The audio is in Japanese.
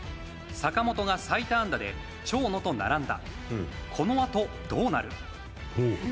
坂本が最多安打争いで長野と並んだ